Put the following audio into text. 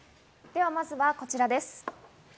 では、まずはこちらです。